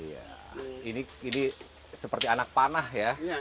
iya ini seperti anak panah ya